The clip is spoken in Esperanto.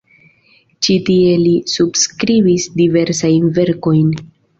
Ĉi tie li subskribis diversajn verkojn.